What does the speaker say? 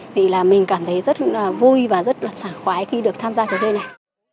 thì là mình cảm thấy rất là vui và rất là sẵn khoái khi được tham gia trò chơi này